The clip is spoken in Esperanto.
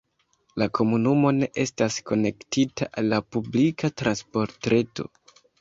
La komunumo ne estas konektita al la publika transportreto.